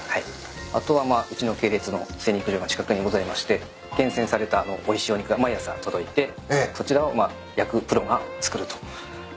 あとはうちの系列の精肉所が近くにございまして厳選されたおいしいお肉が毎朝届いてそちらを焼くプロが作ると。